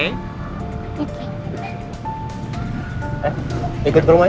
eh ikut ke rumah